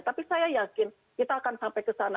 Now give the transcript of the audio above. tapi saya yakin kita akan sampai ke sana